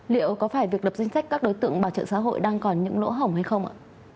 liệu có phải việc lập danh sách các đối tượng bảo trợ xã hội đang còn những lỗ hỏng hay không ạ